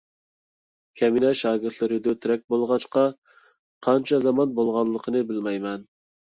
كەمىنە شاگىرتلىرى دۆترەك بولغاچقا، قانچە زامان بولغانلىقىنى بىلمەيمەن.